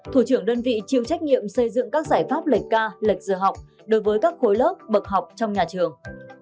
thủ trưởng đơn vị chịu trách nhiệm xây dựng các giải pháp lệnh ca lệch giờ học đối với các khối lớp bậc học trong nhà trường